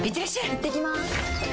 いってきます！